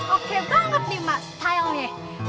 oke banget nih mas stylenya